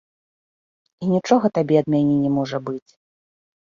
І нічога табе ад мяне не можа быць.